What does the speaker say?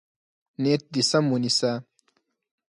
نیت دې سم ونیسه.